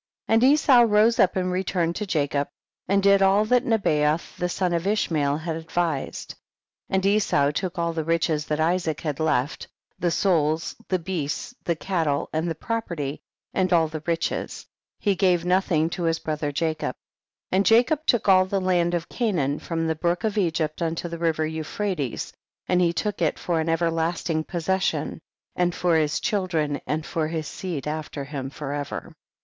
24. And Esau rose up and return ed to Jacob, and did all that Nebay oth the son of Ishmael had advised ; and Esau took all the riches that Isaac had left, the souls, the beasts, the cattle and the property, and all the riches ; he gave nothing to his brother Jacob ; and Jacob took all the land of Canaan, from the brook of Egypt unto the river Euphrates, and he took it for an everlasting pos session, and for his children and for his seed after him forever.